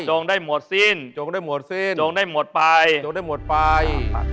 ได้หมดสิ้นจงได้หมดสิ้นจงได้หมดไปจงได้หมดไป